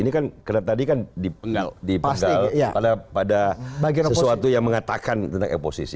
ini kan karena tadi kan dipindal pada sesuatu yang mengatakan tentang oposisi